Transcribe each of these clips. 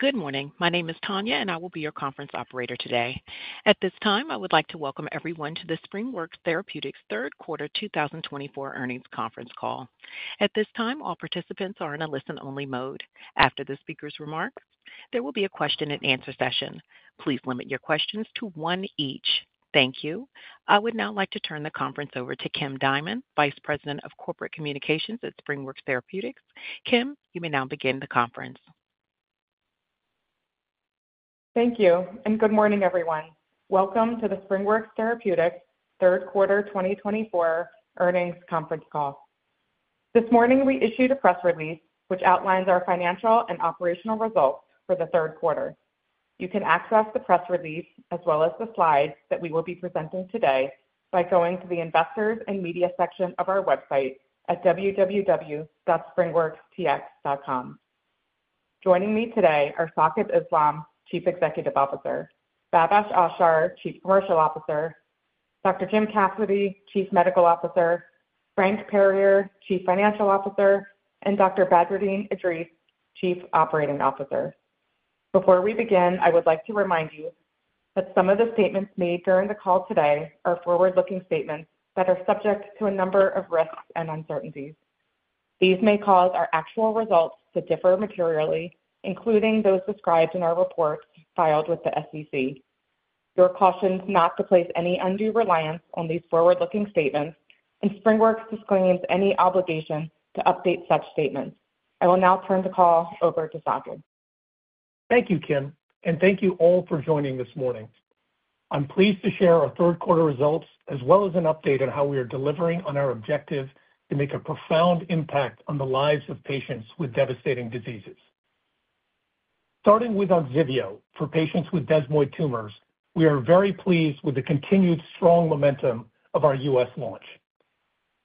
Good morning. My name is Tanya, and I will be your conference operator today. At this time, I would like to welcome everyone to the SpringWorks Q3 2024 Earnings Conference Call. At this time, all participants are in a listen-only mode. After the speaker's remarks, there will be a question-and-answer session. Please limit your questions to one each. Thank you. I would now like to turn the conference over to Kim Diamond, VP of Corporate Communications at SpringWorks Therapeutics. Kim, you may now begin the conference. Thank you, and good morning, everyone. Welcome to the SpringWorks Q3 2024 Earnings Conference Call. This morning, we issued a press release which outlines our financial and operational results for Q3. you can access the press release as well as the slides that we will be presenting today by going to the Investors and Media section of our website at www.springworkstx.com. Joining me today are Saqib Islam, CEO, Bhavesh Ashar, CCO, Dr. Jim Cassidy, CMO, Frank Perier, CFO, and Dr. Badreddin Edris, COO. Before we begin, I would like to remind you that some of the statements made during the call today are forward-looking statements that are subject to a number of risks and uncertainties. These may cause our actual results to differ materially, including those described in our reports filed with the SEC. You are cautioned not to place any undue reliance on these forward-looking statements, and SpringWorks disclaims any obligation to update such statements. I will now turn the call over to Saqib. Thank you, Kim, and thank you all for joining this morning. I'm pleased to share Q3 results as well as an update on how we are delivering on our objective to make a profound impact on the lives of patients with devastating diseases. Starting with OGSIVEO for patients with desmoid tumors, we are very pleased with the continued strong momentum of our U.S. launch.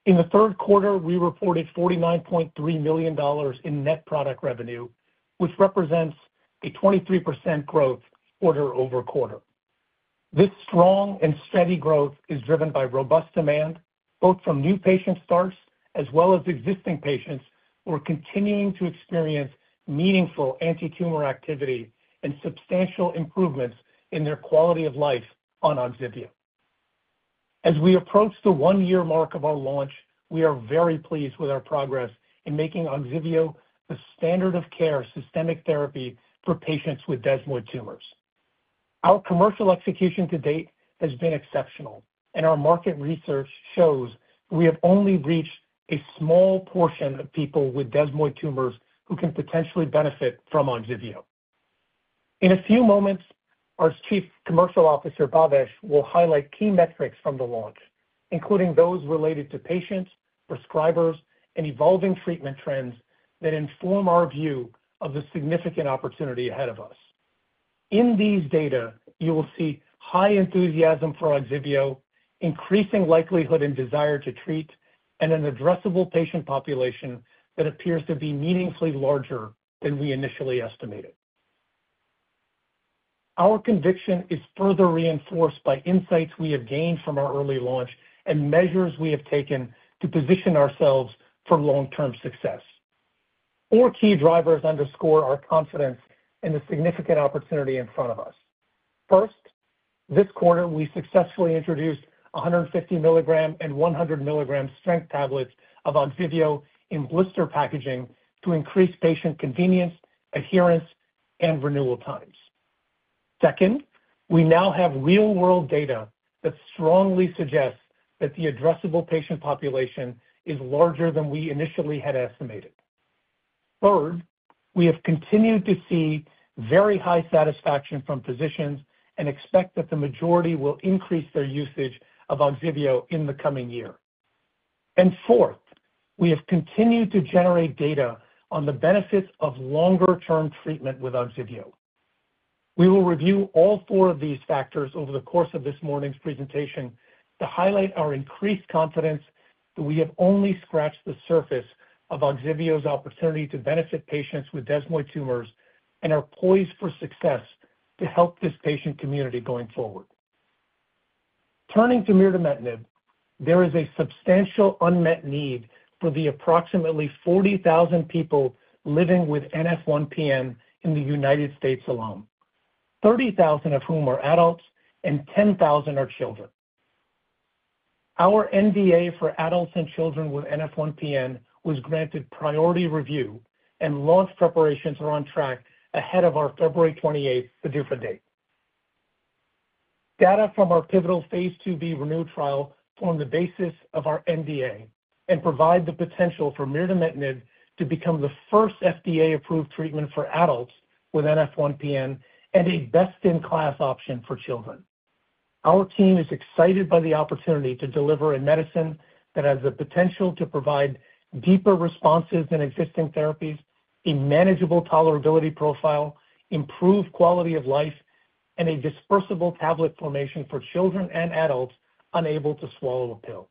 In Q3, we reported $49.3 million in net product revenue, which represents a 23% growth quarter-over-quarter. This strong and steady growth is driven by robust demand, both from new patient starts as well as existing patients who are continuing to experience meaningful anti-tumor activity and substantial improvements in their quality of life on OGSIVEO. As we approach the one-year mark of our launch, we are very pleased with our progress in making OGSIVEO the standard of care systemic therapy for patients with desmoid tumors. Our commercial execution to date has been exceptional, and our market research shows we have only reached a small portion of people with desmoid tumors who can potentially benefit from OGSIVEO. In a few moments, our CCO, Bhavesh, will highlight key metrics from the launch, including those related to patients, prescribers, and evolving treatment trends that inform our view of the significant opportunity ahead of us. In these data, you will see high enthusiasm for OGSIVEO, increasing likelihood and desire to treat, and an addressable patient population that appears to be meaningfully larger than we initially estimated. Our conviction is further reinforced by insights we have gained from our early launch and measures we have taken to position ourselves for long-term success. Four key drivers underscore our confidence in the significant opportunity in front of us. First, this quarter, we successfully introduced 150 mg and 100 mg strength tablets of OGSIVEO in blister packaging to increase patient convenience, adherence, and renewal times. Second, we now have real-world data that strongly suggests that the addressable patient population is larger than we initially had estimated. Third, we have continued to see very high satisfaction from physicians and expect that the majority will increase their usage of OGSIVEO in the coming year. And fourth, we have continued to generate data on the benefits of longer-term treatment with OGSIVEO. We will review all four of these factors over the course of this morning's presentation to highlight our increased confidence that we have only scratched the surface of OGSIVEO's opportunity to benefit patients with desmoid tumors and are poised for success to help this patient community going forward. Turning to mirdametinib, there is a substantial unmet need for the approximately 40,000 people living with NF1-PN in the United States alone, 30,000 of whom are adults and 10,000 are children. Our NDA for adults and children with NF1-PN was granted priority review, and launch preparations are on track ahead of our February 28th, the PDUFA date. Data from our pivotal phase II-B ReNeu trial form the basis of our NDA and provide the potential for mirdametinib to become the first FDA-approved treatment for adults with NF1-PN and a best-in-class option for children. Our team is excited by the opportunity to deliver a medicine that has the potential to provide deeper responses than existing therapies, a manageable tolerability profile, improved quality of life, and a dispersible tablet formulation for children and adults unable to swallow a pill.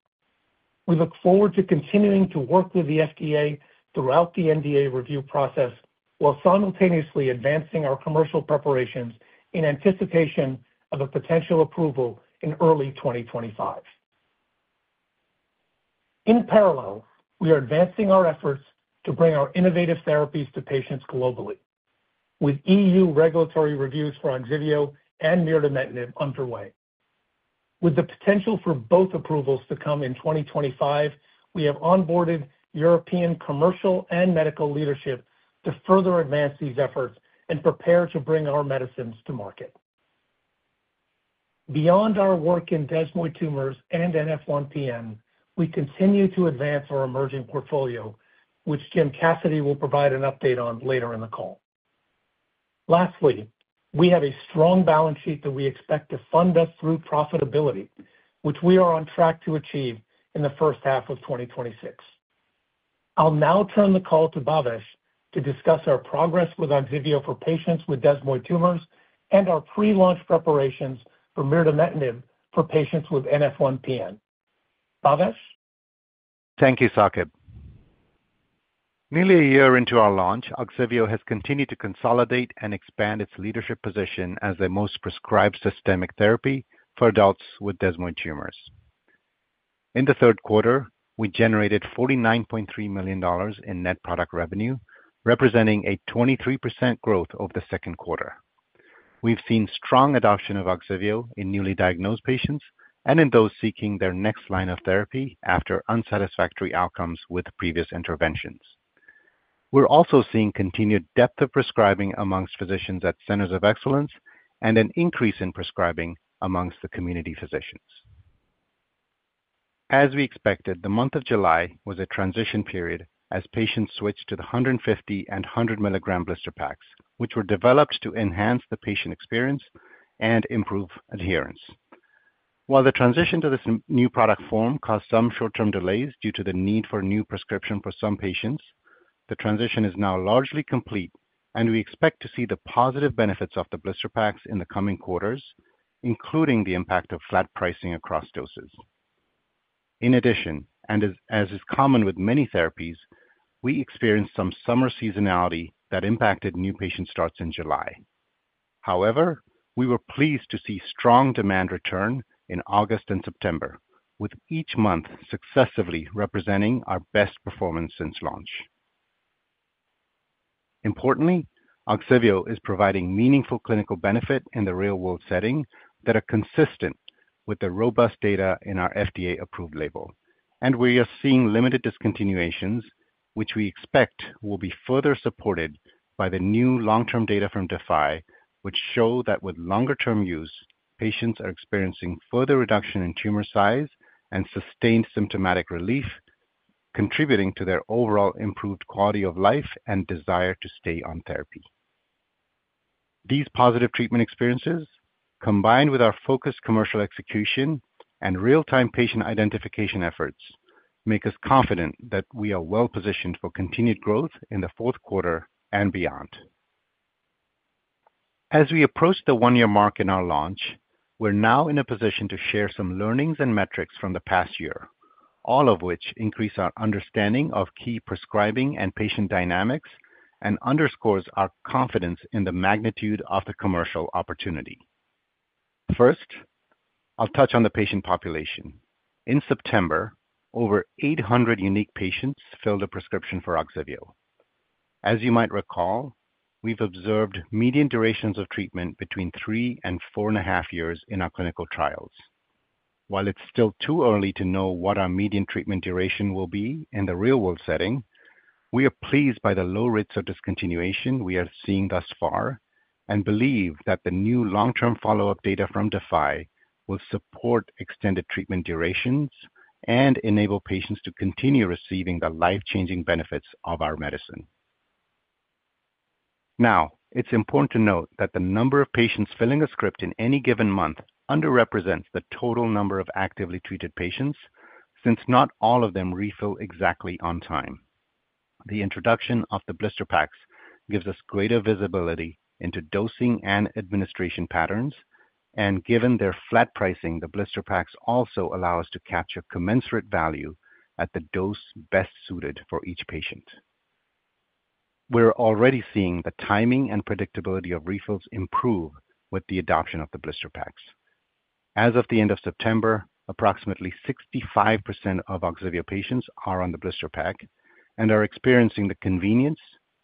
We look forward to continuing to work with the FDA throughout the NDA review process while simultaneously advancing our commercial preparations in anticipation of a potential approval in early 2025. In parallel, we are advancing our efforts to bring our innovative therapies to patients globally, with EU regulatory reviews for OGSIVEO and mirdametinib underway. With the potential for both approvals to come in 2025, we have onboarded European commercial and medical leadership to further advance these efforts and prepare to bring our medicines to market. Beyond our work in desmoid tumors and NF1-PN, we continue to advance our emerging portfolio, which Jim Cassidy will provide an update on later in the call. Lastly, we have a strong balance sheet that we expect to fund us through profitability, which we are on track to achieve in the first half of 2026. I'll now turn the call to Bhavesh to discuss our progress with OGSIVEO for patients with desmoid tumors and our pre-launch preparations for mirdametinib for patients with NF1-PN. Bhavesh? Thank you, Saqib. Nearly a year into our launch, OGSIVEO has continued to consolidate and expand its leadership position as the most prescribed systemic therapy for adults with desmoid tumors. In Q3, we generated $49.3 million in net product revenue, representing a 23% growth over the Q2. We've seen strong adoption of OGSIVEO in newly diagnosed patients and in those seeking their next line of therapy after unsatisfactory outcomes with previous interventions. We're also seeing continued depth of prescribing among physicians at centers of excellence and an increase in prescribing among the community physicians. As we expected, the month of July was a transition period as patients switched to the 150 mg and 100 mg blister packs, which were developed to enhance the patient experience and improve adherence. While the transition to this new product form caused some short-term delays due to the need for new prescription for some patients, the transition is now largely complete, and we expect to see the positive benefits of the blister packs in the coming quarters, including the impact of flat pricing across doses. In addition, and as is common with many therapies, we experienced some summer seasonality that impacted new patient starts in July. However, we were pleased to see strong demand return in August and September, with each month successively representing our best performance since launch. Importantly, OGSIVEO is providing meaningful clinical benefit in the real-world setting that are consistent with the robust data in our FDA-approved label, and we are seeing limited discontinuations, which we expect will be further supported by the new long-term data from DeFi, which show that with longer-term use, patients are experiencing further reduction in tumor size and sustained symptomatic relief, contributing to their overall improved quality of life and desire to stay on therapy. These positive treatment experiences, combined with our focused commercial execution and real-time patient identification efforts, make us confident that we are well-positioned for continued growth in the Q4 and beyond. As we approach the one-year mark in our launch, we're now in a position to share some learnings and metrics from the past year, all of which increase our understanding of key prescribing and patient dynamics and underscore our confidence in the magnitude of the commercial opportunity. First, I'll touch on the patient population. In September, over 800 unique patients filled a prescription for OGSIVEO. As you might recall, we've observed median durations of treatment between three and four and a half years in our clinical trials. While it's still too early to know what our median treatment duration will be in the real-world setting, we are pleased by the low rates of discontinuation we are seeing thus far and believe that the new long-term follow-up data from DeFi will support extended treatment durations and enable patients to continue receiving the life-changing benefits of our medicine. Now, it's important to note that the number of patients filling a script in any given month underrepresents the total number of actively treated patients since not all of them refill exactly on time. The introduction of the blister packs gives us greater visibility into dosing and administration patterns, and given their flat pricing, the blister packs also allow us to capture commensurate value at the dose best suited for each patient. We're already seeing the timing and predictability of refills improve with the adoption of the blister packs. As of the end of September, approximately 65% of OGSIVEO patients are on the blister pack and are experiencing the convenience,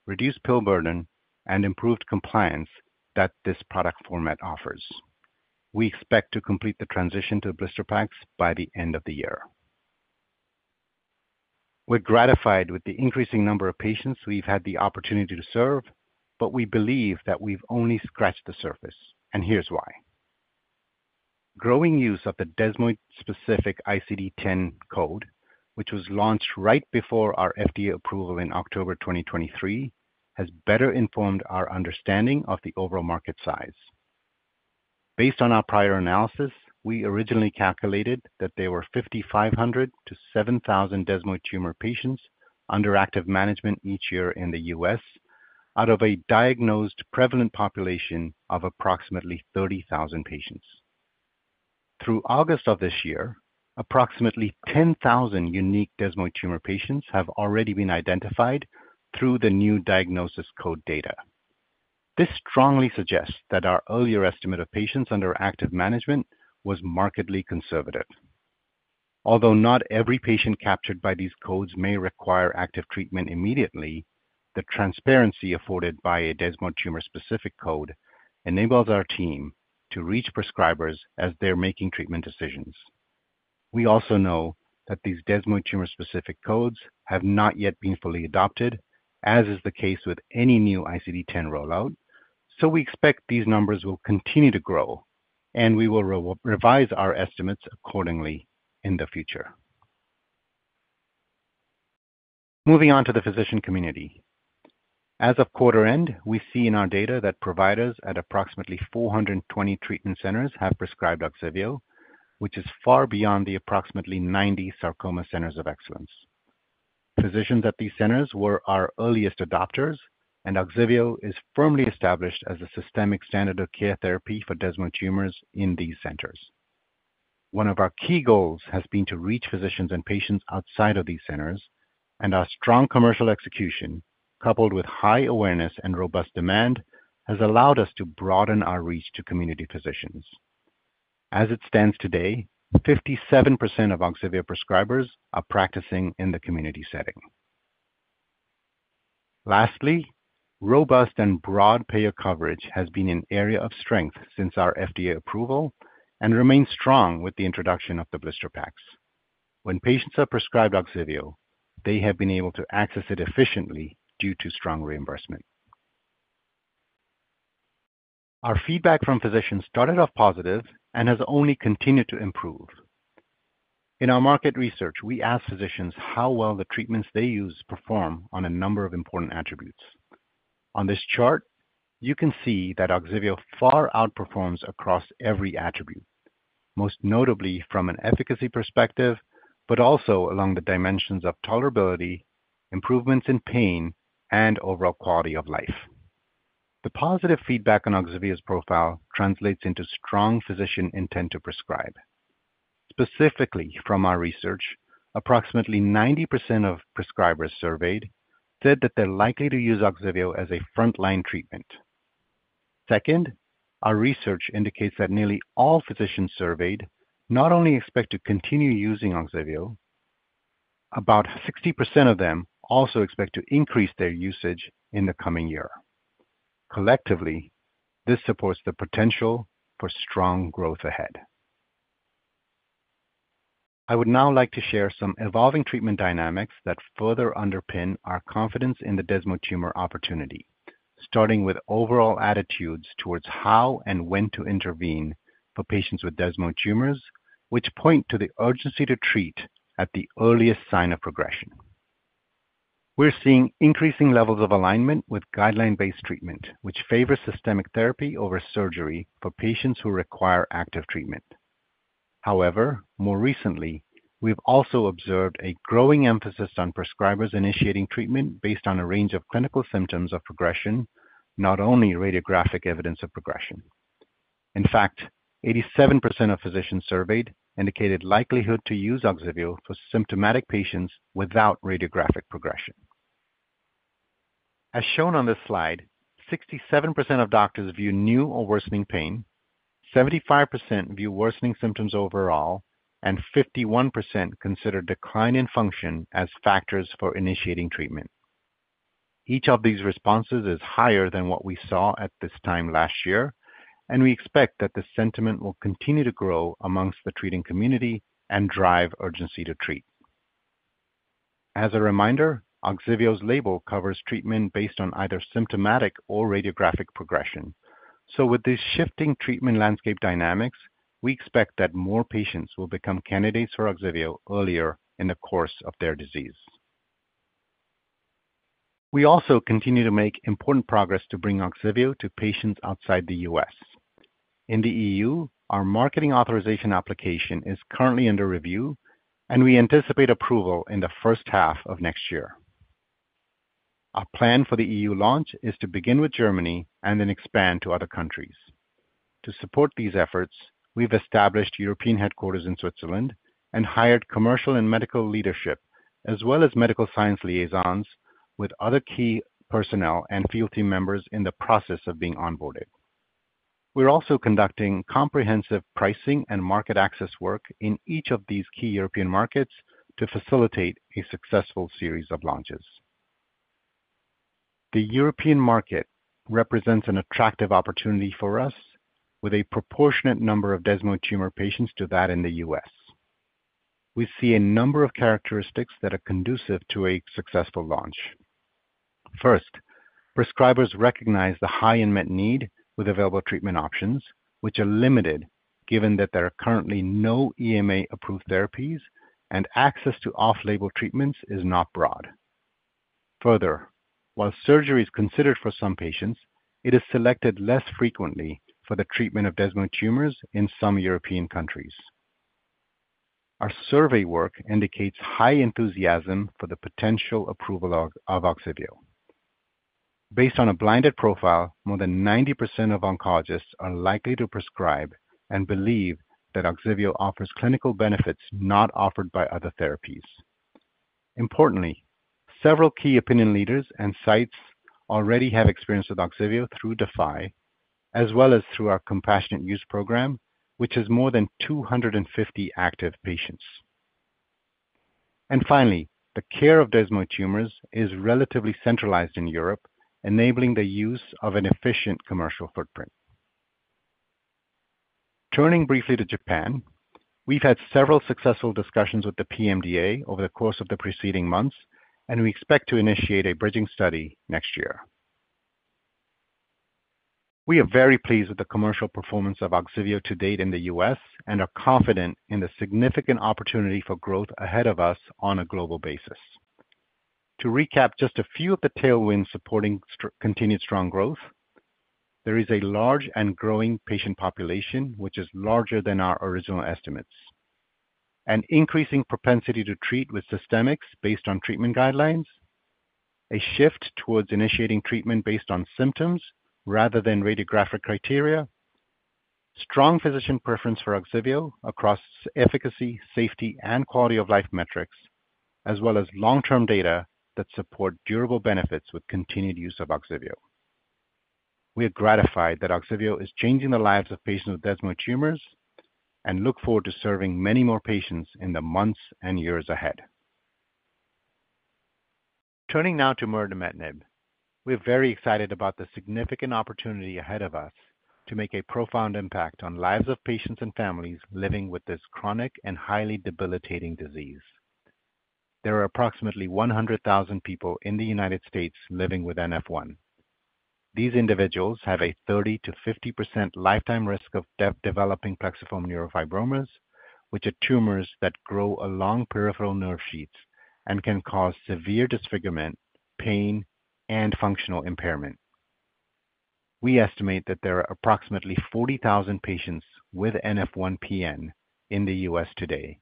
reduced pill burden, and improved compliance that this product format offers. We expect to complete the transition to blister packs by the end of the year. We're gratified with the increasing number of patients we've had the opportunity to serve, but we believe that we've only scratched the surface, and here's why. Growing use of the desmoid-specific ICD-10 code, which was launched right before our FDA approval in October 2023, has better informed our understanding of the overall market size. Based on our prior analysis, we originally calculated that there were 5,500-7,000 desmoid tumor patients under active management each year in the U.S. out of a diagnosed prevalent population of approximately 30,000 patients. Through August of this year, approximately 10,000 unique desmoid tumor patients have already been identified through the new diagnosis code data. This strongly suggests that our earlier estimate of patients under active management was markedly conservative. Although not every patient captured by these codes may require active treatment immediately, the transparency afforded by a desmoid tumor-specific code enables our team to reach prescribers as they're making treatment decisions. We also know that these desmoid tumor-specific codes have not yet been fully adopted, as is the case with any new ICD-10 rollout, so we expect these numbers will continue to grow, and we will revise our estimates accordingly in the future. Moving on to the physician community. As of quarter end, we see in our data that providers at approximately 420 treatment centers have prescribed OGSIVEO, which is far beyond the approximately 90 Sarcoma Centers of Excellence. Physicians at these centers were our earliest adopters, and OGSIVEO is firmly established as the systemic standard of care therapy for desmoid tumors in these centers. One of our key goals has been to reach physicians and patients outside of these centers, and our strong commercial execution, coupled with high awareness and robust demand, has allowed us to broaden our reach to community physicians. As it stands today, 57% of OGSIVEO prescribers are practicing in the community setting. Lastly, robust and broad payer coverage has been an area of strength since our FDA approval and remains strong with the introduction of the blister packs. When patients are prescribed OGSIVEO, they have been able to access it efficiently due to strong reimbursement. Our feedback from physicians started off positive and has only continued to improve. In our market research, we asked physicians how well the treatments they use perform on a number of important attributes. On this chart, you can see that OGSIVEO far outperforms across every attribute, most notably from an efficacy perspective, but also along the dimensions of tolerability, improvements in pain, and overall quality of life. The positive feedback on OGSIVEO's profile translates into strong physician intent to prescribe. Specifically, from our research, approximately 90% of prescribers surveyed said that they're likely to use OGSIVEO as a frontline treatment. Second, our research indicates that nearly all physicians surveyed not only expect to continue using OGSIVEO, about 60% of them also expect to increase their usage in the coming year. Collectively, this supports the potential for strong growth ahead. I would now like to share some evolving treatment dynamics that further underpin our confidence in the desmoid tumor opportunity, starting with overall attitudes towards how and when to intervene for patients with desmoid tumors, which point to the urgency to treat at the earliest sign of progression. We're seeing increasing levels of alignment with guideline-based treatment, which favors systemic therapy over surgery for patients who require active treatment. However, more recently, we've also observed a growing emphasis on prescribers initiating treatment based on a range of clinical symptoms of progression, not only radiographic evidence of progression. In fact, 87% of physicians surveyed indicated likelihood to use OGSIVEO for symptomatic patients without radiographic progression. As shown on this slide, 67% of doctors view new or worsening pain, 75% view worsening symptoms overall, and 51% consider decline in function as factors for initiating treatment. Each of these responses is higher than what we saw at this time last year, and we expect that the sentiment will continue to grow among the treating community and drive urgency to treat. As a reminder, OGSIVEO's label covers treatment based on either symptomatic or radiographic progression, so with these shifting treatment landscape dynamics, we expect that more patients will become candidates for OGSIVEO earlier in the course of their disease. We also continue to make important progress to bring OGSIVEO to patients outside the U.S. In the EU, our marketing authorization application is currently under review, and we anticipate approval in the first half of next year. Our plan for the EU launch is to begin with Germany and then expand to other countries. To support these efforts, we've established European headquarters in Switzerland and hired commercial and medical leadership, as well as medical science liaisons with other key personnel and field team members in the process of being onboarded. We're also conducting comprehensive pricing and market access work in each of these key European markets to facilitate a successful series of launches. The European market represents an attractive opportunity for us, with a proportionate number of desmoid tumor patients to that in the U.S. We see a number of characteristics that are conducive to a successful launch. First, prescribers recognize the high unmet need with available treatment options, which are limited given that there are currently no EMA-approved therapies, and access to off-label treatments is not broad. Further, while surgery is considered for some patients, it is selected less frequently for the treatment of desmoid tumors in some European countries. Our survey work indicates high enthusiasm for the potential approval of OGSIVEO. Based on a blinded profile, more than 90% of oncologists are likely to prescribe and believe that OGSIVEO offers clinical benefits not offered by other therapies. Importantly, several key opinion leaders and sites already have experience with OGSIVEO through DeFi, as well as through our compassionate use program, which has more than 250 active patients. Finally, the care of desmoid tumors is relatively centralized in Europe, enabling the use of an efficient commercial footprint. Turning briefly to Japan, we've had several successful discussions with the PMDA over the course of the preceding months, and we expect to initiate a bridging study next year. We are very pleased with the commercial performance of OGSIVEO to date in the U.S. and are confident in the significant opportunity for growth ahead of us on a global basis. To recap just a few of the tailwinds supporting continued strong growth, there is a large and growing patient population, which is larger than our original estimates, an increasing propensity to treat with systemics based on treatment guidelines, a shift towards initiating treatment based on symptoms rather than radiographic criteria, strong physician preference for OGSIVEO across efficacy, safety, and quality of life metrics, as well as long-term data that support durable benefits with continued use of OGSIVEO. We are gratified that OGSIVEO is changing the lives of patients with desmoid tumors and look forward to serving many more patients in the months and years ahead. Turning now to mirdametinib, we're very excited about the significant opportunity ahead of us to make a profound impact on lives of patients and families living with this chronic and highly debilitating disease. There are approximately 100,000 people in the United States living with NF1. These individuals have a 30%-50% lifetime risk of developing plexiform neurofibromas, which are tumors that grow along peripheral nerve sheets and can cause severe disfigurement, pain, and functional impairment. We estimate that there are approximately 40,000 patients with NF1-PN in the U.S. today,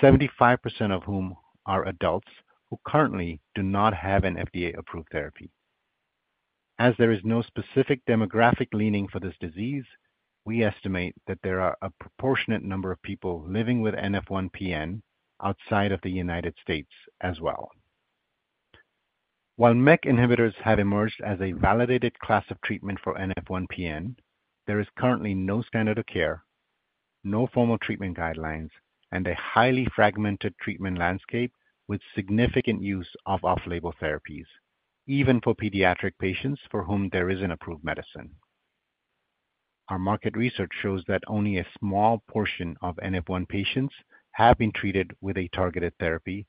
75% of whom are adults who currently do not have an FDA-approved therapy. As there is no specific demographic leaning for this disease, we estimate that there are a proportionate number of people living with NF1-PN outside of the United States as well. While MEK inhibitors have emerged as a validated class of treatment for NF1-PN, there is currently no standard of care, no formal treatment guidelines, and a highly fragmented treatment landscape with significant use of off-label therapies, even for pediatric patients for whom there is an approved medicine. Our market research shows that only a small portion of NF1 patients have been treated with a targeted therapy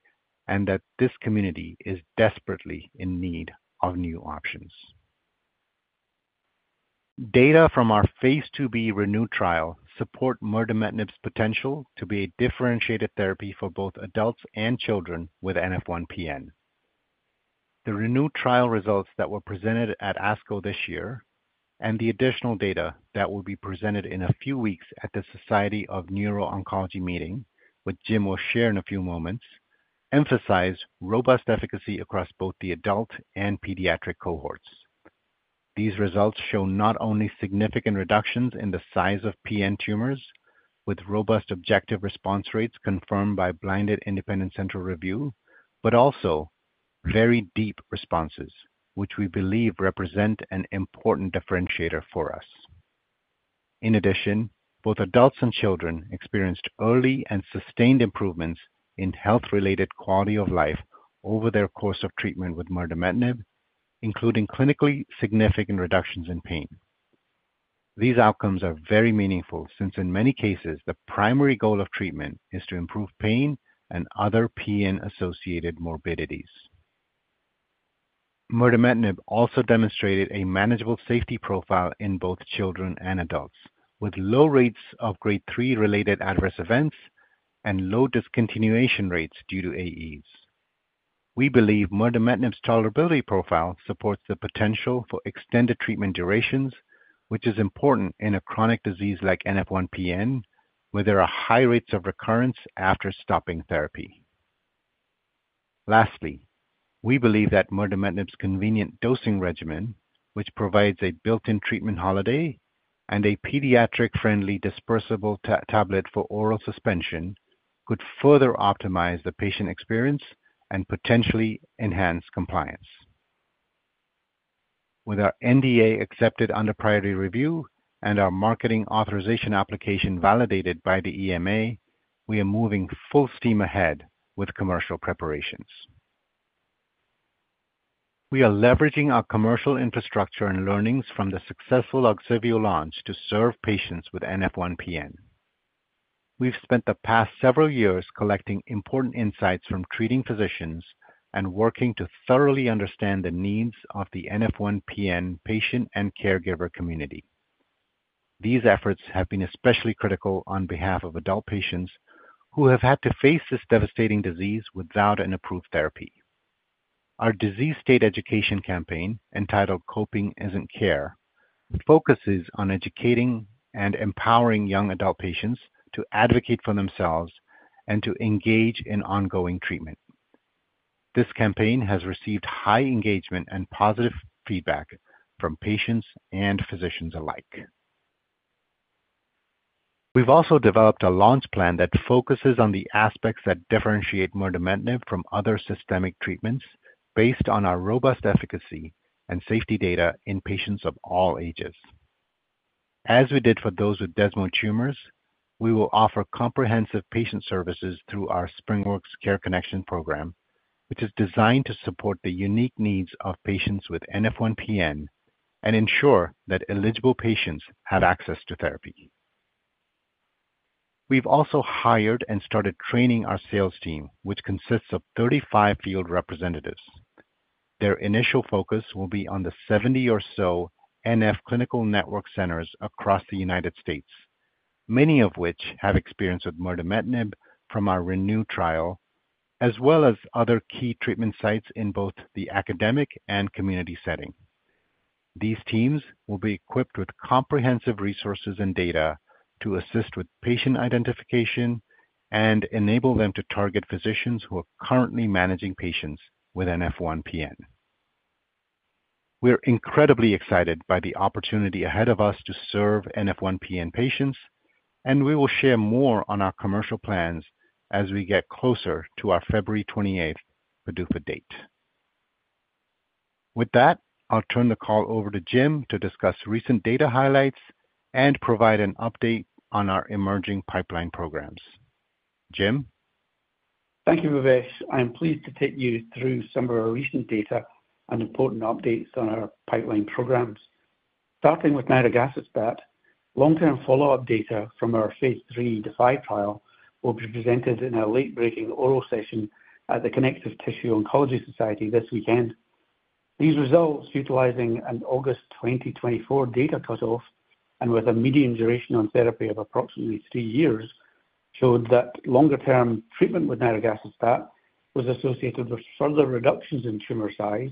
and that this community is desperately in need of new options. Data from our phase II-B ReNeu trial support mirdametinib's potential to be a differentiated therapy for both adults and children with NF1-PN. The ReNeu trial results that were presented at ASCO this year and the additional data that will be presented in a few weeks at the Society for Neuro-Oncology meeting, which Jim will share in a few moments, emphasize robust efficacy across both the adult and pediatric cohorts. These results show not only significant reductions in the size of PN tumors with robust objective response rates confirmed by blinded independent central review, but also very deep responses, which we believe represent an important differentiator for us. In addition, both adults and children experienced early and sustained improvements in health-related quality of life over their course of treatment with mirdametinib, including clinically significant reductions in pain. These outcomes are very meaningful since in many cases, the primary goal of treatment is to improve pain and other NF1-PN-associated morbidities. Mirdametinib also demonstrated a manageable safety profile in both children and adults, with low rates of Grade 3 related adverse events and low discontinuation rates due to AEs. We believe mirdametinib's tolerability profile supports the potential for extended treatment durations, which is important in a chronic disease like NF1-PN, where there are high rates of recurrence after stopping therapy. Lastly, we believe that mirdametinib's convenient dosing regimen, which provides a built-in treatment holiday and a pediatric-friendly dispersible tablet for oral suspension, could further optimize the patient experience and potentially enhance compliance. With our NDA accepted under priority review and our marketing authorization application validated by the EMA, we are moving full steam ahead with commercial preparations. We are leveraging our commercial infrastructure and learnings from the successful OGSIVEO launch to serve patients with NF1-PN. We've spent the past several years collecting important insights from treating physicians and working to thoroughly understand the needs of the NF1-PN patient and caregiver community. These efforts have been especially critical on behalf of adult patients who have had to face this devastating disease without an approved therapy. Our disease state education campaign entitled "Coping Isn't Care" focuses on educating and empowering young adult patients to advocate for themselves and to engage in ongoing treatment. This campaign has received high engagement and positive feedback from patients and physicians alike. We've also developed a launch plan that focuses on the aspects that differentiate mirdametinib from other systemic treatments based on our robust efficacy and safety data in patients of all ages. As we did for those with desmoid tumors, we will offer comprehensive patient services through our SpringWorks CareConnection program, which is designed to support the unique needs of patients with NF1-PN and ensure that eligible patients have access to therapy. We've also hired and started training our sales team, which consists of 35 field representatives. Their initial focus will be on the 70 or so NF Clinical Network Centers across the United States, many of which have experience with mirdametinib from our ReNeu trial, as well as other key treatment sites in both the academic and community setting. These teams will be equipped with comprehensive resources and data to assist with patient identification and enable them to target physicians who are currently managing patients with NF1-PN. We're incredibly excited by the opportunity ahead of us to serve NF1-PN patients, and we will share more on our commercial plans as we get closer to our February 28th PDUFA date. With that, I'll turn the call over to Jim to discuss recent data highlights and provide an update on our emerging pipeline programs. Jim? Thank you, Bhavesh. I'm pleased to take you through some of our recent data and important updates on our pipeline programs. Starting with nirogacestat, that long-term follow-up data from our phase III DeFi trial will be presented in a late-breaking oral session at the Connective Tissue Oncology Society this weekend. These results, utilizing an August 2024 data cutoff and with a median duration on therapy of approximately three years, showed that longer-term treatment with nirogacestat that was associated with further reductions in tumor size,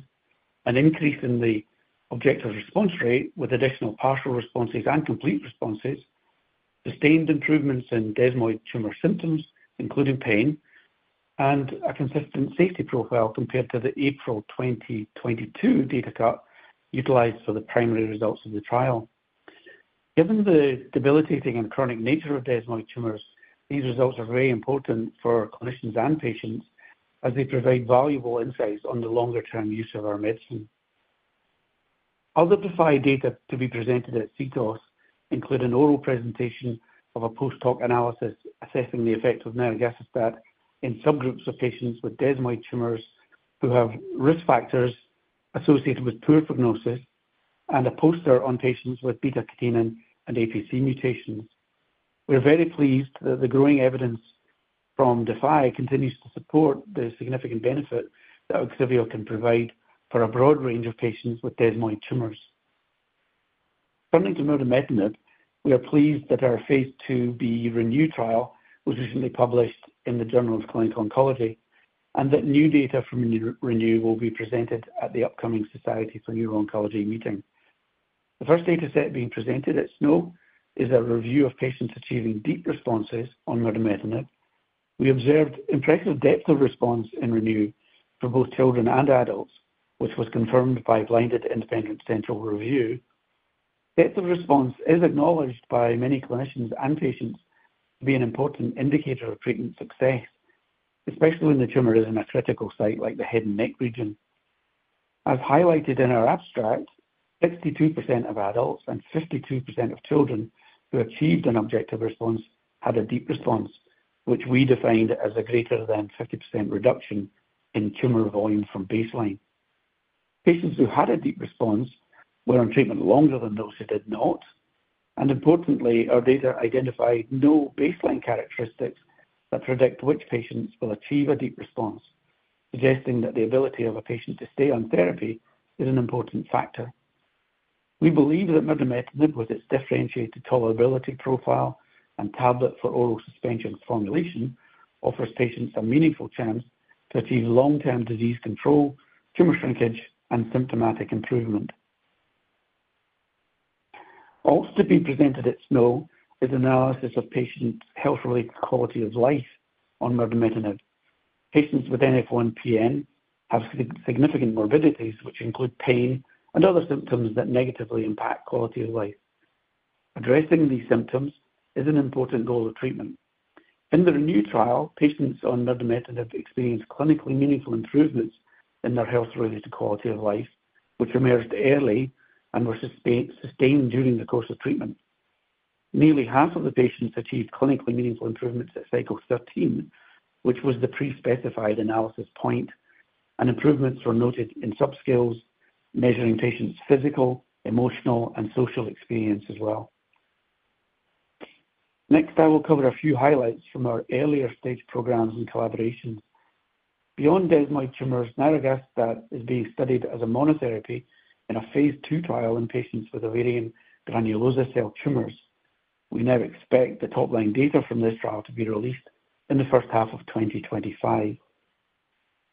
an increase in the objective response rate with additional partial responses and complete responses, sustained improvements in desmoid tumor symptoms, including pain, and a consistent safety profile compared to the April 2022 data cut utilized for the primary results of the trial. Given the debilitating and chronic nature of desmoid tumors, these results are very important for clinicians and patients as they provide valuable insights on the longer-term use of our medicine. Other DeFi data to be presented at CTOS include an oral presentation of a post-hoc analysis assessing the effect of nirogacestat in subgroups of patients with desmoid tumors who have risk factors associated with poor prognosis and a poster on patients with beta-catenin and APC mutations. We're very pleased that the growing evidence from DeFi continues to support the significant benefit that OGSIVEO can provide for a broad range of patients with desmoid tumors. Turning to mirdametinib, we are pleased that our phase II-B ReNeu trial was recently published in the Journal of Clinical Oncology and that new data from ReNeu will be presented at the upcoming Society for Neuro-Oncology meeting. The first data set being presented at SNO is a review of patients achieving deep responses on mirdametinib. We observed impressive depth of response in ReNeu for both children and adults, which was confirmed by blinded independent central review. Depth of response is acknowledged by many clinicians and patients to be an important indicator of treatment success, especially when the tumor is in a critical site like the head and neck region. As highlighted in our abstract, 62% of adults and 52% of children who achieved an objective response had a deep response, which we defined as a greater than 50% reduction in tumor volume from baseline. Patients who had a deep response were on treatment longer than those who did not, and importantly, our data identified no baseline characteristics that predict which patients will achieve a deep response, suggesting that the ability of a patient to stay on therapy is an important factor. We believe that mirdametinib, with its differentiated tolerability profile and tablet for oral suspension formulation, offers patients a meaningful chance to achieve long-term disease control, tumor shrinkage, and symptomatic improvement. Also to be presented at SNO is analysis of patient health-related quality of life on mirdametinib. Patients with NF1-PN have significant morbidities, which include pain and other symptoms that negatively impact quality of life. Addressing these symptoms is an important goal of treatment. In the ReNeu trial, patients on mirdametinib have experienced clinically meaningful improvements in their health-related quality of life, which emerged early and were sustained during the course of treatment. Nearly half of the patients achieved clinically meaningful improvements at cycle 13, which was the pre-specified analysis point, and improvements were noted in subscales measuring patients' physical, emotional, and social experience as well. Next, I will cover a few highlights from our earlier stage programs and collaborations. Beyond desmoid tumors, nirogacestat that is being studied as a monotherapy in a phase II trial in patients with ovarian granulosa cell tumors. We now expect the top-line data from this trial to be released in the first half of 2025.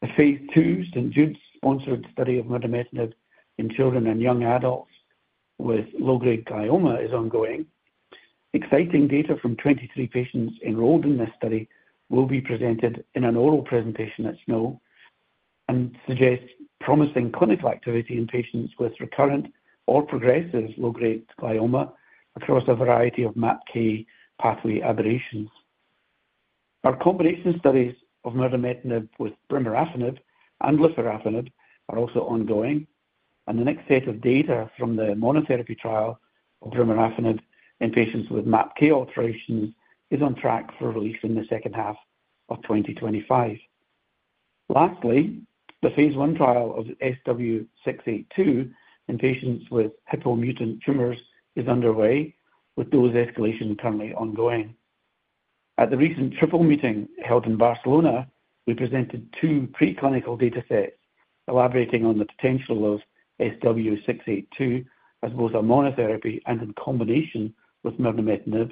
The phase II St. Jude's sponsored study of mirdametinib in children and young adults with low-grade glioma is ongoing. Exciting data from 23 patients enrolled in this study will be presented in an oral presentation at SNO and suggests promising clinical activity in patients with recurrent or progressive low-grade glioma across a variety of MAPK pathway aberrations. Our combination studies of mirdametinib and nirogacestat with brimarafenib and lifirafenib are also ongoing, and the next set of data from the monotherapy trial of brimarafenib in patients with MAPK alterations is on track for release in the second half of 2025. Lastly, the phase I trial of SW-682 in patients with Hippo-mutant tumors is underway, with dose escalation currently ongoing. At the recent Triple Meeting held in Barcelona, we presented two preclinical data sets elaborating on the potential of SW-682 as both a monotherapy and in combination with mirdametinib and nirogacestat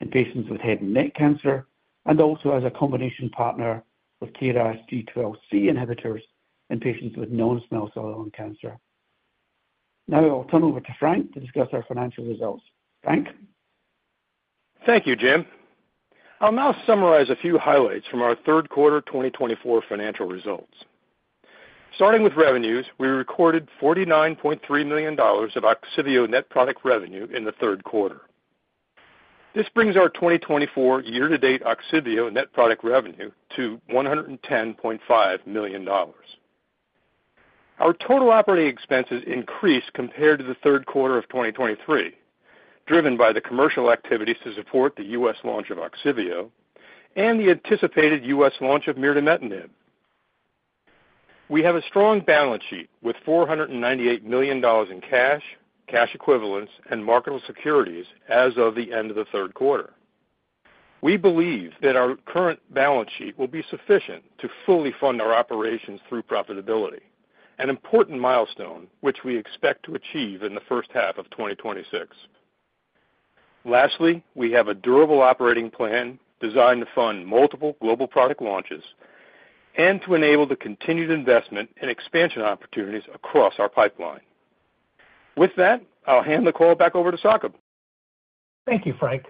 in patients with head and neck cancer, and also as a combination partner with KRAS G12C inhibitors in patients with non-small cell lung cancer. Now I'll turn over to Frank to discuss our financial results. Frank? Thank you, Jim. I'll now summarize a few highlights from Q3 2024 financial results. Starting with revenues, we recorded $49.3 million of OGSIVEO net product revenue in Q3. this brings our 2024 year-to-date OGSIVEO net product revenue to $110.5 million. Our total operating expenses increased compared to Q3 of 2023, driven by the commercial activities to support the U.S. launch of OGSIVEO and the anticipated U.S. launch of mirdametinib. We have a strong balance sheet with $498 million in cash, cash equivalents, and marketable securities as of the end of Q3. we believe that our current balance sheet will be sufficient to fully fund our operations through profitability, an important milestone which we expect to achieve in the first half of 2026. Lastly, we have a durable operating plan designed to fund multiple global product launches and to enable the continued investment and expansion opportunities across our pipeline. With that, I'll hand the call back over to Saqib. Thank you, Frank.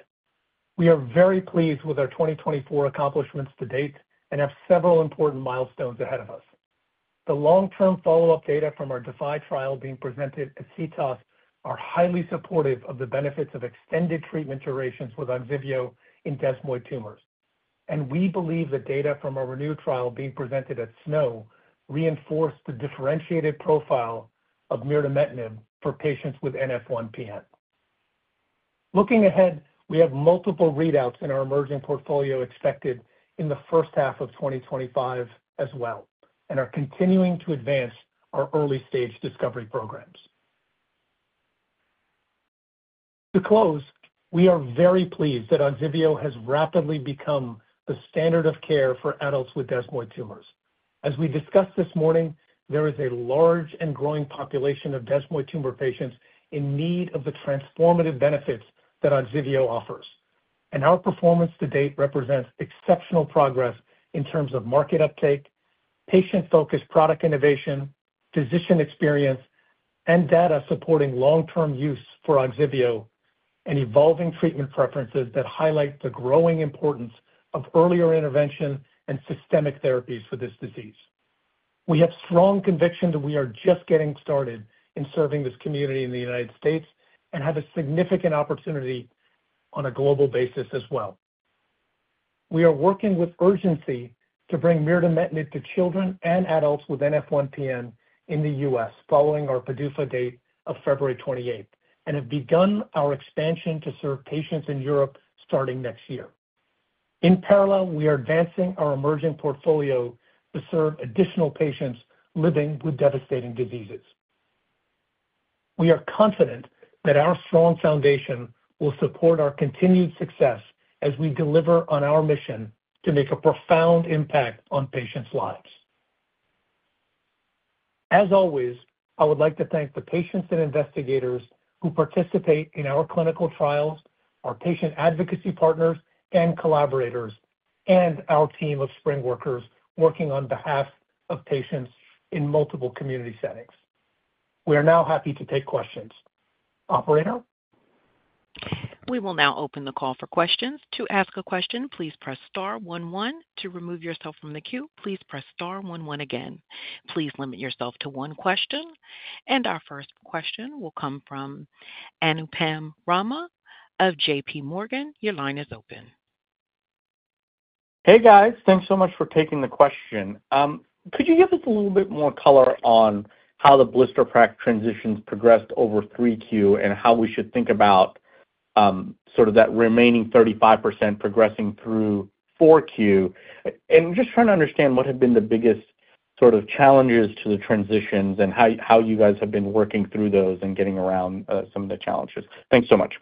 We are very pleased with our 2024 accomplishments to date and have several important milestones ahead of us. The long-term follow-up data from our DeFi trial being presented at CTOS are highly supportive of the benefits of extended treatment durations with OGSIVEO in desmoid tumors, and we believe the data from our ReNeu trial being presented at SNO reinforced the differentiated profile of mirdametinib for patients with NF1-PN. Looking ahead, we have multiple readouts in our emerging portfolio expected in the first half of 2025 as well, and are continuing to advance our early-stage discovery programs. To close, we are very pleased that OGSIVEO has rapidly become the standard of care for adults with desmoid tumors. As we discussed this morning, there is a large and growing population of desmoid tumor patients in need of the transformative benefits that OGSIVEO offers, and our performance to date represents exceptional progress in terms of market uptake, patient-focused product innovation, physician experience, and data supporting long-term use for OGSIVEO and evolving treatment preferences that highlight the growing importance of earlier intervention and systemic therapies for this disease. We have strong conviction that we are just getting started in serving this community in the United States and have a significant opportunity on a global basis as well. We are working with urgency to bring mirdametinib to children and adults with NF1-PN in the U.S. following our PDUFA date of February 28th and have begun our expansion to serve patients in Europe starting next year. In parallel, we are advancing our emerging portfolio to serve additional patients living with devastating diseases. We are confident that our strong foundation will support our continued success as we deliver on our mission to make a profound impact on patients' lives. As always, I would like to thank the patients and investigators who participate in our clinical trials, our patient advocacy partners and collaborators, and our team of SpringWorkers working on behalf of patients in multiple community settings. We are now happy to take questions. Operator? We will now open the call for questions. To ask a question, please press star one one. To remove yourself from the queue, please press star one one again. Please limit yourself to one question. And our first question will come from Anupam Rama of JPMorgan. Your line is open. Hey, guys. Thanks so much for taking the question. Could you give us a little bit more color on how the blister pack transitions progressed over 3Q and how we should think about sort of that remaining 35% progressing through 4Q? And just trying to understand what have been the biggest sort of challenges to the transitions and how you guys have been working through those and getting around some of the challenges? Thanks so much.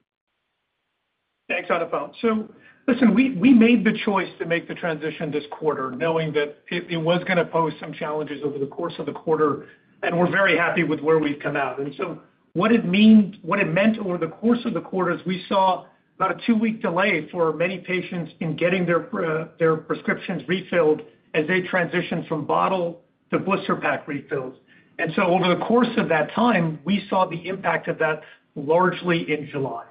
Thanks, Anupam. So listen, we made the choice to make the transition this quarter knowing that it was going to pose some challenges over the course of the quarter, and we're very happy with where we've come out. And so what it meant over the course of the quarter is we saw about a two-week delay for many patients in getting their prescriptions refilled as they transitioned from bottle to blister pack refills. And so over the course of that time, we saw the impact of that largely in July.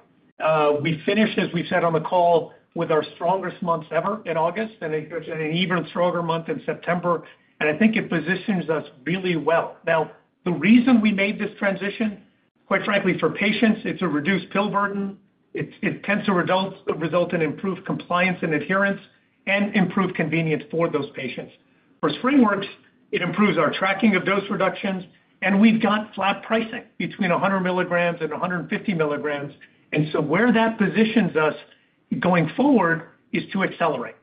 We finished, as we've said on the call, with our strongest months ever in August and an even stronger month in September, and I think it positions us really well. Now, the reason we made this transition, quite frankly, for patients, it's a reduced pill burden. It tends to result in improved compliance and adherence and improved convenience for those patients. For SpringWorks, it improves our tracking of dose reductions, and we've got flat pricing between 100 mg and 150 mg. And so where that positions us going forward is to accelerate,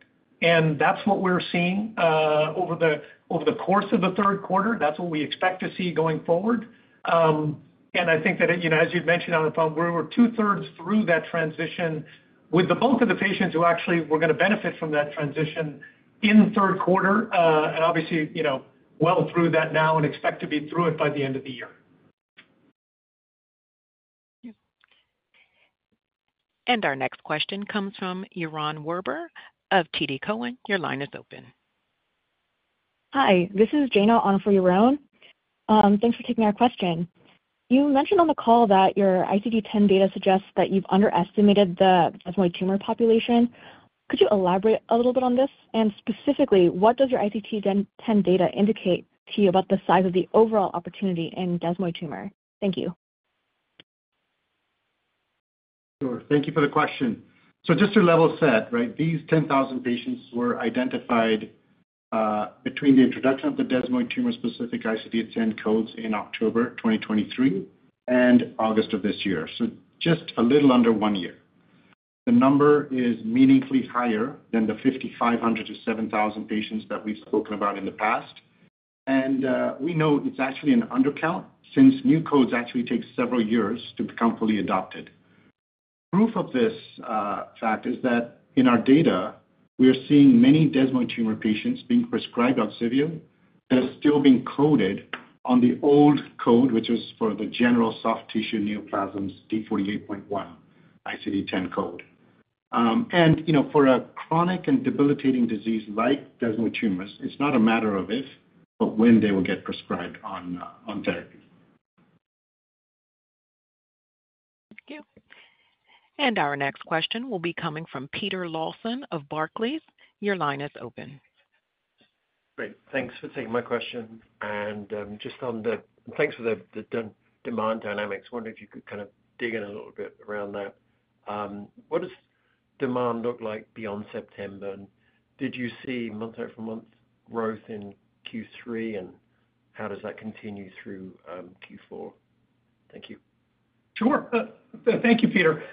and that's what we're seeing over the course of Q3. that's what we expect to see going forward. I think that, as you've mentioned on the phone, we were 2/3 through that transition with both of the patients who actually were going to benefit from that transition Q3 and obviously well through that now and expect to be through it by the end of the year. Thank you. Our next question comes from Yaron Werber of TD Cowen. Your line is open. Hi. This is Jana on for Yaron. Thanks for taking our question. You mentioned on the call that your ICD-10 data suggests that you've underestimated the desmoid tumor population. Could you elaborate a little bit on this? And specifically, what does your ICD-10 data indicate to you about the size of the overall opportunity in desmoid tumor? Thank you. Sure. Thank you for the question. Just to level set, right, these 10,000 patients were identified between the introduction of the desmoid tumor-specific ICD-10 codes in October 2023 and August of this year. So just a little under one year. The number is meaningfully higher than the 5,500-7,000 patients that we've spoken about in the past. And we know it's actually an undercount since new codes actually take several years to become fully adopted. Proof of this fact is that in our data, we are seeing many desmoid tumor patients being prescribed OGSIVEO that are still being coded on the old code, which was for the general soft tissue neoplasms, D48.1 ICD-10 code. And for a chronic and debilitating disease like desmoid tumors, it's not a matter of if, but when they will get prescribed on therapy. Thank you. And our next question will be coming from Peter Lawson of Barclays. Your line is open. Great. Thanks for taking my question. And just on the demand dynamics. Wonder if you could kind of dig in a little bit around that. What does demand look like beyond September? And did you see month-over-month growth Q3, and how does that continue through Q4? Thank you. Sure. Thank you, Peter.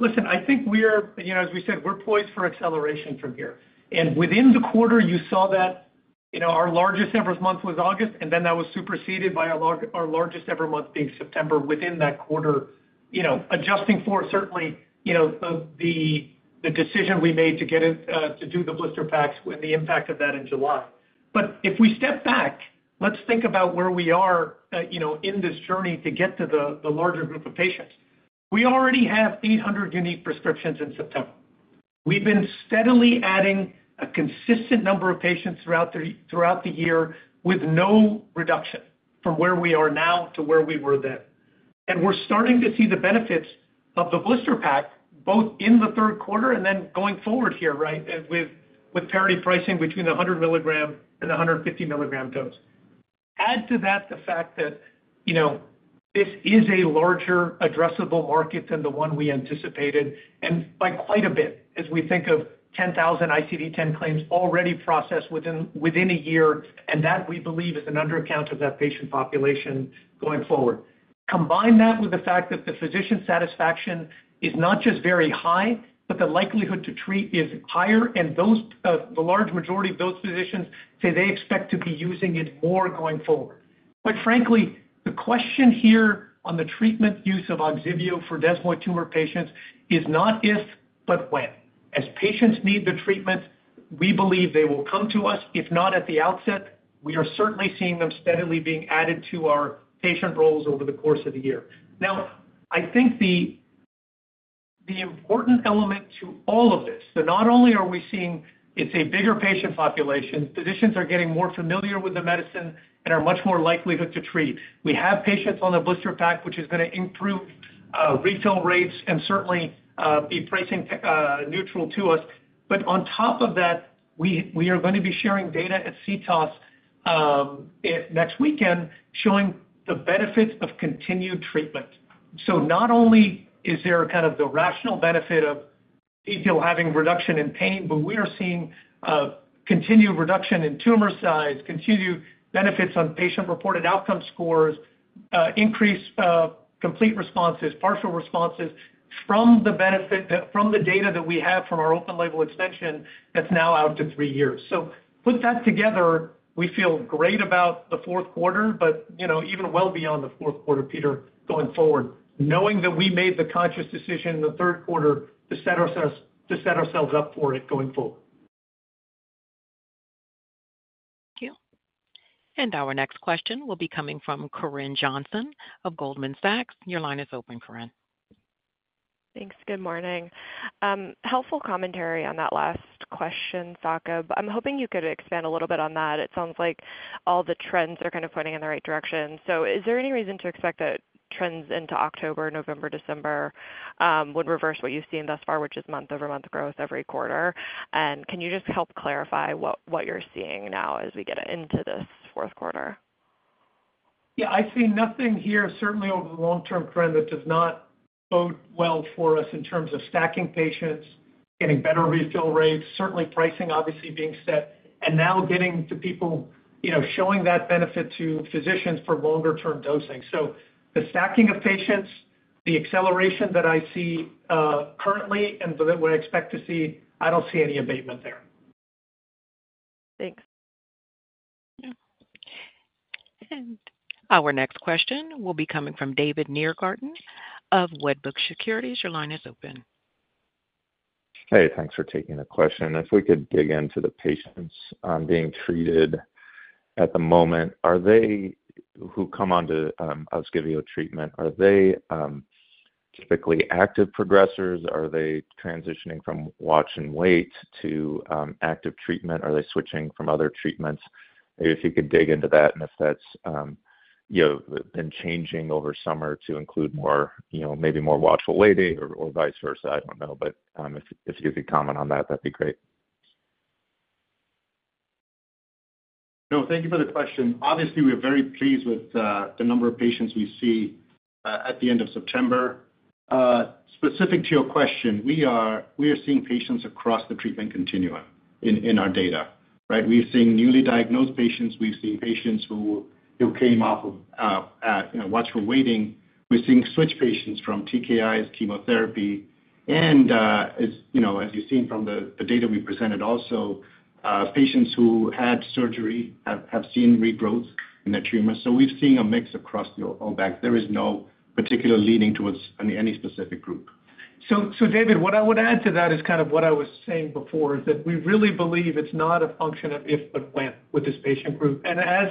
Listen, I think we're, as we said, we're poised for acceleration from here. And within the quarter, you saw that our largest ever month was August, and then that was superseded by our largest ever month being September within that quarter, adjusting for certainly the decision we made to do the blister packs and the impact of that in July. But if we step back, let's think about where we are in this journey to get to the larger group of patients. We already have 800 unique prescriptions in September. We've been steadily adding a consistent number of patients throughout the year with no reduction from where we are now to where we were then. And we're starting to see the benefits of the blister pack both in Q3 and then going forward here, right, with parity pricing between the 100 mg and the 150 mg dose. Add to that the fact that this is a larger addressable market than the one we anticipated and by quite a bit as we think of 10,000 ICD-10 claims already processed within a year, and that we believe is an undercount of that patient population going forward. Combine that with the fact that the physician satisfaction is not just very high, but the likelihood to treat is higher, and the large majority of those physicians say they expect to be using it more going forward. Quite frankly, the question here on the treatment use of OGSIVEO for desmoid tumor patients is not if, but when. As patients need the treatment, we believe they will come to us. If not at the outset, we are certainly seeing them steadily being added to our patient rolls over the course of the year. Now, I think the important element to all of this, so not only are we seeing it's a bigger patient population, physicians are getting more familiar with the medicine and are much more likely to treat. We have patients on the blister pack, which is going to improve refill rates and certainly be pricing neutral to us. But on top of that, we are going to be sharing data at CTOS next weekend showing the benefits of continued treatment. So not only is there kind of the rational benefit of people having reduction in pain, but we are seeing continued reduction in tumor size, continued benefits on patient-reported outcome scores, increased complete responses, partial responses from the data that we have from our open-label extension that's now out to three years. So put that together, we feel great about the Q4, but even well beyond the Q4, Peter, going forward, knowing that we made the conscious decision in Q3 to set ourselves up for it going forward. Thank you. And our next question will be coming from Corinne Johnson of Goldman Sachs. Your line is open, Corinne. Thanks. Good morning. Helpful commentary on that last question, Saqib. I'm hoping you could expand a little bit on that. It sounds like all the trends are kind of pointing in the right direction. So is there any reason to expect that trends into October, November, December would reverse what you've seen thus far, which is month-over-month growth every quarter? And can you just help clarify what you're seeing now as we get into this Q4? Yeah. I see nothing here, certainly over the long-term trend, that does not bode well for us in terms of stacking patients, getting better refill rates, certainly pricing obviously being set, and now getting to people showing that benefit to physicians for longer-term dosing. So the stacking of patients, the acceleration that I see currently and that we expect to see, I don't see any abatement there. Thanks. And our next question will be coming from David Nierengarten of Wedbush Securities. Your line is open. Hey, thanks for taking the question. If we could dig into the patients being treated at the moment, are they who come on to OGSIVEO treatment, are they typically active progressors? Are they transitioning from watch and wait to active treatment? Are they switching from other treatments? If you could dig into that and if that's been changing over summer to include maybe more watchful waiting or vice versa, I don't know. But if you could comment on that, that'd be great. No, thank you for the question. Obviously, we're very pleased with the number of patients we see at the end of September. Specific to your question, we are seeing patients across the treatment continuum in our data, right? We've seen newly diagnosed patients. We've seen patients who came off of watchful waiting. We've seen switch patients from TKIs, chemotherapy. As you've seen from the data we presented also, patients who had surgery have seen regrowth in their tumor. We've seen a mix across the whole bank. There is no particular leading towards any specific group. David, what I would add to that is kind of what I was saying before is that we really believe it's not a function of if, but when with this patient group. As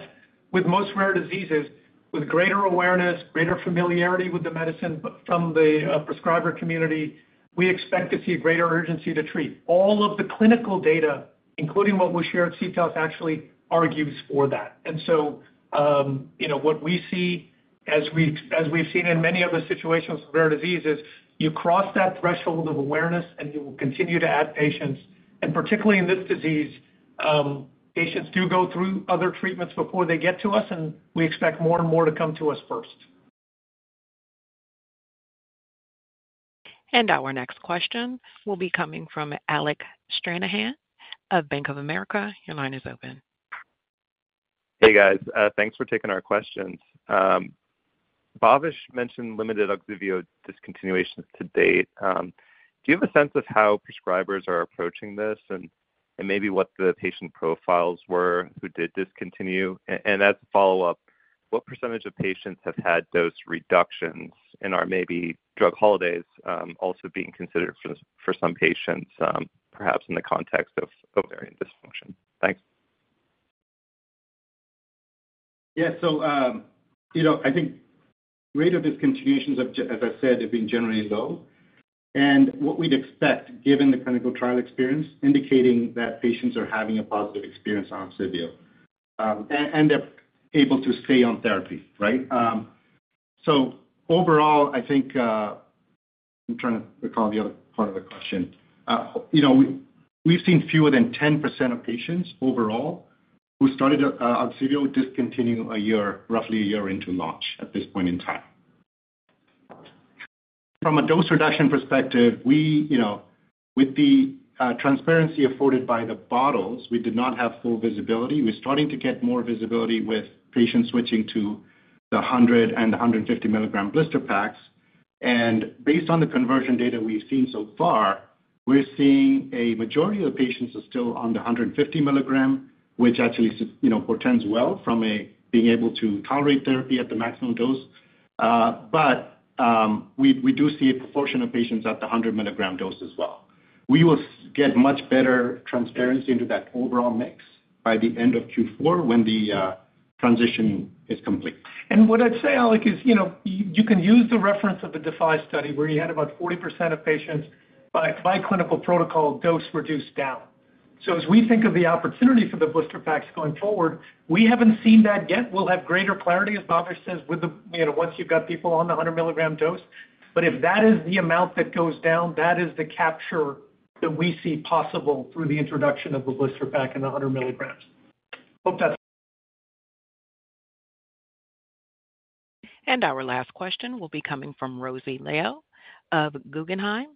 with most rare diseases, with greater awareness, greater familiarity with the medicine from the prescriber community, we expect to see a greater urgency to treat. All of the clinical data, including what was shared at CTOS, actually argues for that. What we see, as we've seen in many other situations of rare diseases, you cross that threshold of awareness and you will continue to add patients. Particularly in this disease, patients do go through other treatments before they get to us, and we expect more and more to come to us first. Our next question will be coming from Alec Stranahan of Bank of America. Your line is open. Hey, guys. Thanks for taking our questions. Bhavesh mentioned limited OGSIVEO discontinuations to date. Do you have a sense of how prescribers are approaching this and maybe what the patient profiles were who did discontinue? And as a follow-up, what percentage of patients have had dose reductions and are maybe drug holidays also being considered for some patients, perhaps in the context of ovarian dysfunction? Thanks. Yeah. I think rate of discontinuations, as I said, have been generally low. What we'd expect, given the clinical trial experience, indicating that patients are having a positive experience on OGSIVEO and they're able to stay on therapy, right? Overall, I think I'm trying to recall the other part of the question. We've seen fewer than 10% of patients overall who started OGSIVEO discontinue a year, roughly a year into launch at this point in time. From a dose reduction perspective, with the transparency afforded by the bottles, we did not have full visibility. We're starting to get more visibility with patients switching to the 100 and 150 mg blister packs. Based on the conversion data we've seen so far, we're seeing a majority of patients are still on the 150 mg, which actually portends well from being able to tolerate therapy at the maximum dose. But we do see a proportion of patients at the 100 mg dose as well. We will get much better transparency into that overall mix by the end of Q4 when the transition is complete. And what I'd say, Alec, is you can use the reference of the DeFi study where you had about 40% of patients by clinical protocol dose reduced down. So as we think of the opportunity for the blister packs going forward, we haven't seen that yet. We'll have greater clarity, as Bhavesh says, once you've got people on the 100 mg dose. But if that is the amount that goes down, that is the capture that we see possible through the introduction of the blister pack and the 100 mg. Hope that's... And our last question will be coming from Rosy Liao of Guggenheim.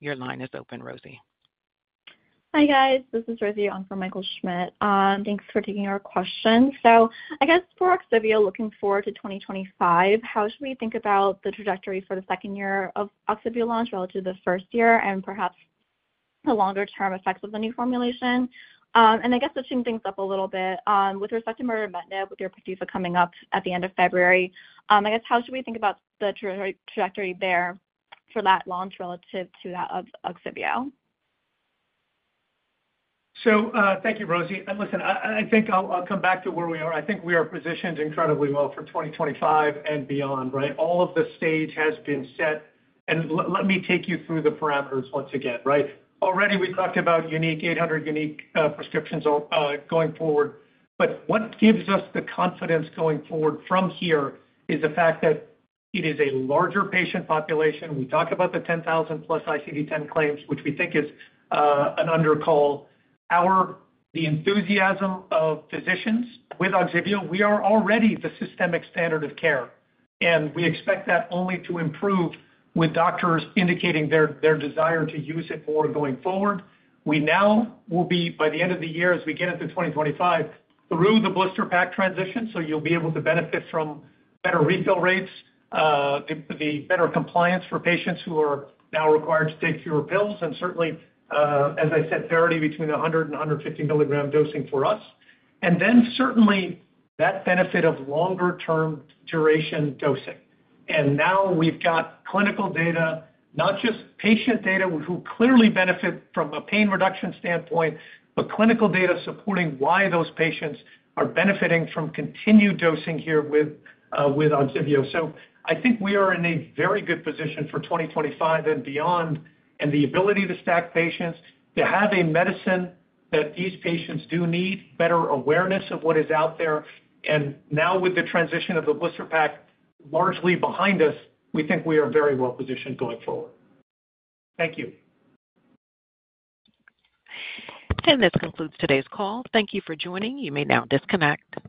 Your line is open, Rosie. Hi, guys. This is Rosie on for Michael Schmidt. Thanks for taking our question. So I guess for OGSIVEO, looking forward to 2025, how should we think about the trajectory for the second year of OGSIVEO launch relative to the first year and perhaps the longer-term effects of the new formulation? And I guess to change things up a little bit, with respect to mirdametinib, with your PDUFA coming up at the end of February, I guess how should we think about the trajectory there for that launch relative to that of OGSIVEO? So thank you, Rosy. Listen, I think I'll come back to where we are. I think we are positioned incredibly well for 2025 and beyond, right? All of the stage has been set. And let me take you through the parameters once again, right? Already we talked about 800 unique prescriptions going forward. But what gives us the confidence going forward from here is the fact that it is a larger patient population. We talk about the 10,000+ ICD-10 claims, which we think is an undercall. The enthusiasm of physicians with OGSIVEO, we are already the systemic standard of care. And we expect that only to improve with doctors indicating their desire to use it more going forward. We now will be, by the end of the year, as we get into 2025, through the blister pack transition, so you'll be able to benefit from better refill rates, the better compliance for patients who are now required to take fewer pills, and certainly, as I said, parity between the 100 mg and 150 mg dosing for us. And then certainly that benefit of longer-term duration dosing. And now we've got clinical data, not just patient data who clearly benefit from a pain reduction standpoint, but clinical data supporting why those patients are benefiting from continued dosing here with OGSIVEO. So I think we are in a very good position for 2025 and beyond, and the ability to stack patients, to have a medicine that these patients do need, better awareness of what is out there. And now with the transition of the blister pack largely behind us, we think we are very well positioned going forward. Thank you. And this concludes today's call. Thank you for joining. You may now disconnect.